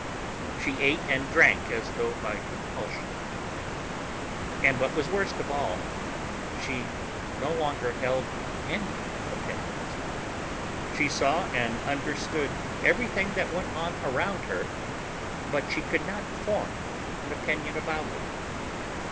She ate and drank as though by compulsion. And what was worst of all, she no longer held any opinions. She saw and understood everything that went on around her, but she could not form an opinion about it.